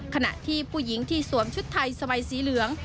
ขณะที่ผู้หญิงที่สวมชุดไทยสบายสีเหลือง